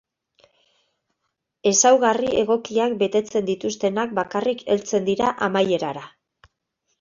Ezaugarri egokiak betetzen dituztenak bakarrik heltzen dira amaierara.